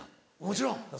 もちろん。